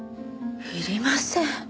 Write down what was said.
いりません。